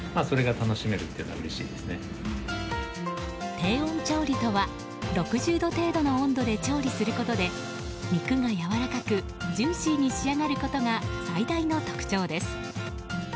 低温調理とは６０度程度の温度で調理することで肉がやわらかくジューシーに仕上がることが最大の特徴です。